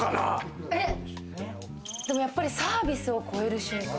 でもやっぱり『サービスを超える瞬間』。